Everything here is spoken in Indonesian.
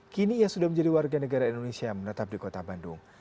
kini ia sudah menjadi warga negara indonesia yang menetap di kota bandung